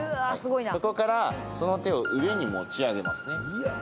そこからその手を上に持ち上げますね。